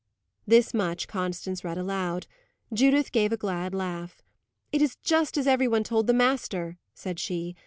This much Constance read aloud. Judith gave a glad laugh. "It's just as everybody told the master," said she.